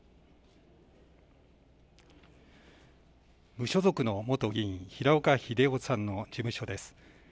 無所属の元議員、平岡秀夫さんの事務所です。